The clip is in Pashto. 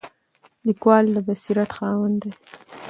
لیکوال د بصیرت خاوند دی.